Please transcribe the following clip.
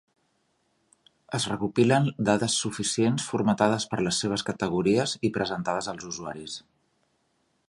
Es recopilen dades suficients, formatades per les seves categories i presentades als usuaris.